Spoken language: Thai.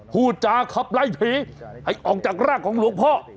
หู่จาอะไร่ผีให้ออกจากรากของหลวงพ่อ